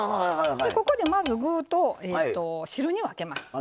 ここでまず具と汁に分けます。